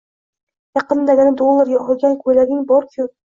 Yaqindagina dollarga olgan koʻylaging bor-ku